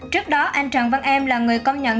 trước đó anh trần văn em là người công nhận